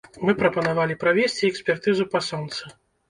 Мы прапанавалі правесці экспертызу па сонцы.